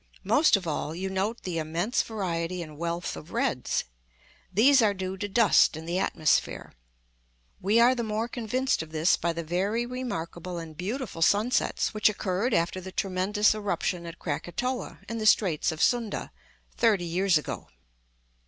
Most of all you note the immense variety and wealth of reds. These are due to dust in the atmosphere. We are the more convinced of this by the very remarkable and beautiful sunsets which occurred after the tremendous eruption at Krakatoa, in the Straits of Sunda, thirty years ago.